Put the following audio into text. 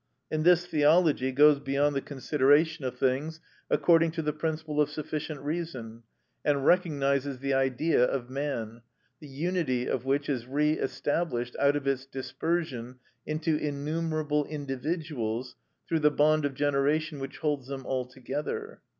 In this theology goes beyond the consideration of things according to the principle of sufficient reason, and recognises the Idea of man, the unity of which is re established out of its dispersion into innumerable individuals through the bond of generation which holds them all together.